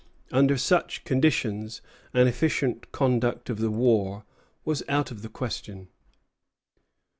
Under such conditions an efficient conduct of the war was out of the question.